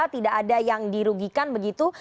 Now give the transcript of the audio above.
tidak ada yang dirugikan begitu